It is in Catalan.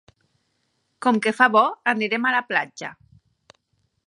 Com que fa bo anirem a la platja.